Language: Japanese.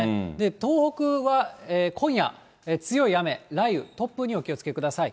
東北は今夜、強い雨、雷雨、突風にお気をつけください。